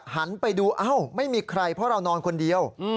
หันไปดูเอ้าไม่มีใครเพราะเรานอนคนเดียว